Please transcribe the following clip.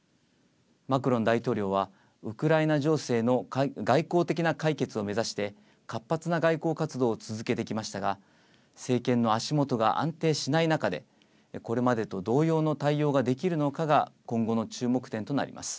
マクロン大統領はウクライナ情勢の外交的な解決を目指して活発な外交活動を続けてきましたが政権の足元が安定しない中でこれまでと同様の対応ができるのかが今後の注目点となります。